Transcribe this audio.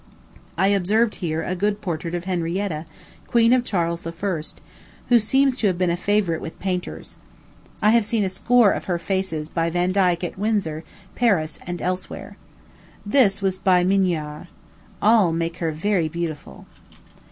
I observed here a good portrait of Henrietta, queen of Charles I., who seems to have been a favorite with painters. I have seen a score of her faces by Vandyke at Windsor, Paris, and elsewhere. This was by Mignard. All make her very beautiful.